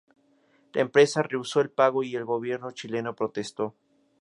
La empresa rehusó el pago y el gobierno chileno protestó.